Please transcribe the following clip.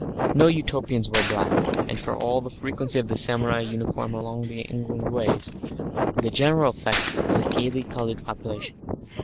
No Utopians wear black, and for all the frequency of the samurai uniform along the London ways the general effect is of a gaily coloured population.